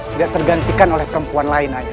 tidak tergantikan oleh perempuan lain